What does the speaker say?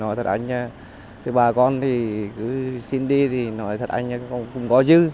nói thật anh thì bà con thì cứ xin đi thì nói thật anh cũng có dư